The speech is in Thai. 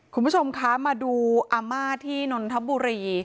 คุณผู้ชมคะมาดูอาม่าที่นนทบุรี